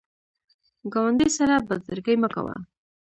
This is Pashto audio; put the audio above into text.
ګاونډي سره بد زړګي مه کوه